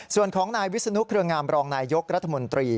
ส่วนของนายวิศนุเครืองามรองนายยกรัฐมนตรี